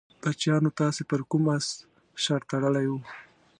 بچیانو تاسې پر کوم اس شرط تړلی وو؟